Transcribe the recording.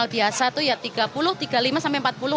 biasa itu ya tiga puluh tiga puluh lima sampai empat puluh